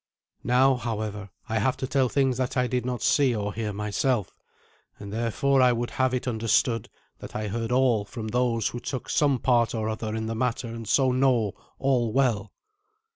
Now, however, I have to tell things that I did not see or hear myself, and therefore I would have it understood that I heard all from those who took some part or other in the matter, and so know all well.